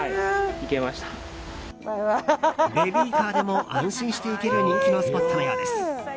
ベビーカーでも安心して行ける人気のスポットのようです。